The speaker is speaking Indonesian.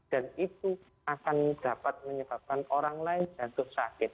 dan itu akan dapat menyebabkan orang lain jatuh sakit